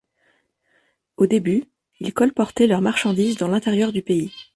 Au début, ils colportaient leurs marchandises dans l'intérieur du pays.